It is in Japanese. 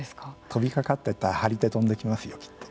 飛びかかったら張り手が飛んできますよ。